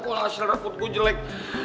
kalau hasil reput gue jelek